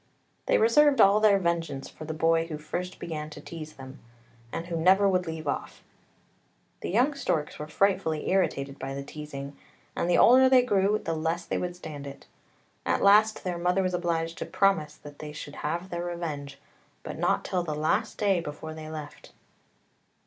They reserved all their vengeance for the boy who first began to teaze them, and who never would leave off. The young storks were frightfully irritated by the teazing, and the older they grew the less they would stand it. At last their mother was obliged to promise that they should have their revenge, but not till the last day before they left.